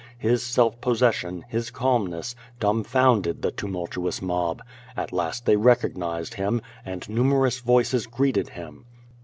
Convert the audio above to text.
His self possession, his calmness, dumb founded the tumultuous mob. At last they recognized him, and numerous voices greeted him.